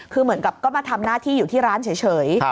คือเหมือนกับก็มาทำหน้าที่อยู่ที่ร้านเฉย